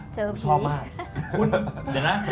เจอผี